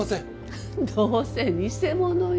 フッどうせ偽物よ。